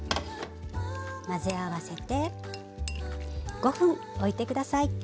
混ぜ合わせて５分おいて下さい。